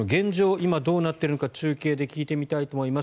今、どうなっているのか中継で聞いてみたいと思います。